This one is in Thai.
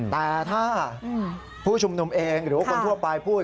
แต่ถ้าผู้ชุมนุมเองหรือว่าคนทั่วไปพูด